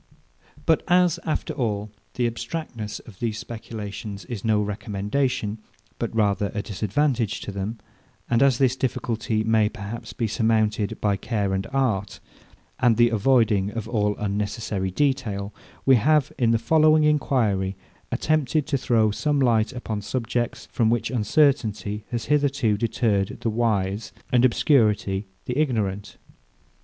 But as, after all, the abstractedness of these speculations is no recommendation, but rather a disadvantage to them, and as this difficulty may perhaps be surmounted by care and art, and the avoiding of all unnecessary detail, we have, in the following enquiry, attempted to throw some light upon subjects, from which uncertainty has hitherto deterred the wise, and obscurity the ignorant.